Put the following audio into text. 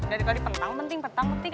dari tadi pentang penting pentang penting